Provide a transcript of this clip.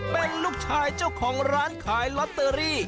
เป็นลูกชายเจ้าของร้านขายลอตเตอรี่